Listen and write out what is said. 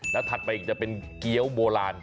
แล้วถัดไปอีกจะเป็นเกี้ยวโบราณ